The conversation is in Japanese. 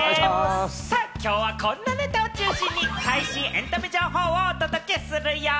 きょうはこんなネタを中心に最新エンタメ情報をお届けするよ！